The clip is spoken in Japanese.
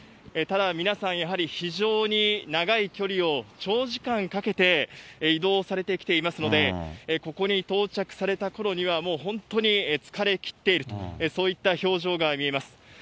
ただ、皆さん、やはり非常に長い距離を、長時間かけて移動されてきていますので、ここに到着されたころにはもう本当に疲れ切っているという、そういった表情が見えます。